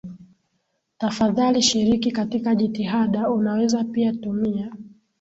tafadhali shiriki katika jitihada Unaweza pia tumia